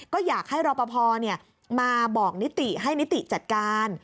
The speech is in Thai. ก็อยากให้รอปภมาบอกนิติให้นิติจัดการ